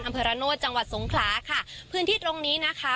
อำเภอระโนธจังหวัดสงขลาค่ะพื้นที่ตรงนี้นะคะ